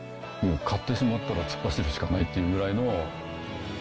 買ってしまったら突っ走るしかないというほどの。